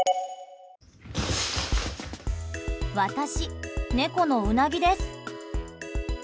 私、猫のうなぎです。